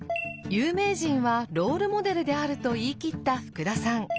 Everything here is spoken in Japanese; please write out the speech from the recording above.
有名人はロールモデルであると言い切った福田さん。